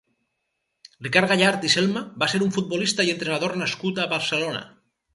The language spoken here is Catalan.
Ricard Gallart i Selma va ser un futbolista i entrenador nascut a Barcelona.